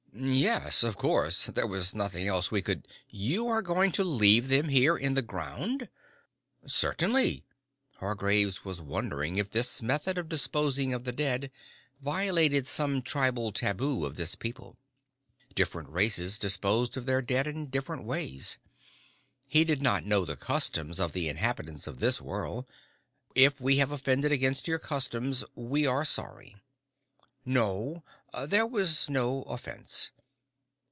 "Yes. Of course. There was nothing else we could " "You are going to leave them here in the ground!" "Certainly." Hargraves was wondering if this method of disposing of the dead violated some tribal taboo of this people. Different races disposed of their dead in different ways. He did not know the customs of the inhabitants of this world. "If we have offended against your customs, we are sorry." "No. There was no offense."